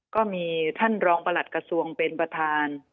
ก็มีท่านรองประหลัดกระทรวงเป็นประธาน